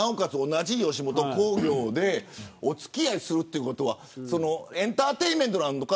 同じ吉本興業でお付き合いするということはエンターテインメントなのか